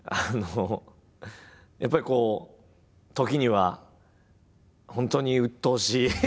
やっぱりこう時には本当にうっとうしい。